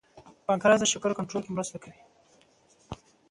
پنکراس د شکر کنټرول کې مرسته کوي